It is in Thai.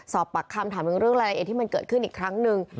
ปักคำถามถามถึงเรื่องรายละเอียดที่มันเกิดขึ้นอีกครั้งหนึ่ง